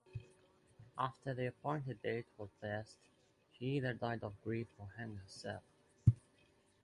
After the appointed date was past, she either died of grief or hanged herself.